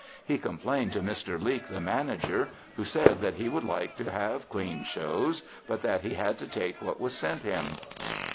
He complained to Mr. Leak, the manager, who said that he would like to give clean shows, but that he had to take what was sent him.